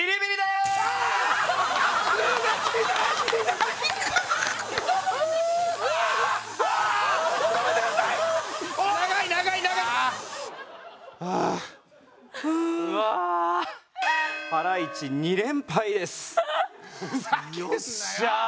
よっしゃー！